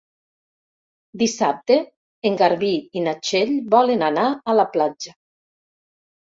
Dissabte en Garbí i na Txell volen anar a la platja.